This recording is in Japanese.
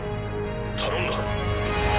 頼んだ。